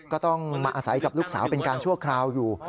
ก็ต้องมาอาศัยกับลูกสาวเป็นการชั่วคราวอยู่